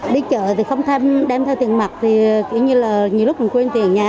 đi chợ thì không đem theo tiền mặt thì kiểu như là nhiều lúc mình quên tiền nhà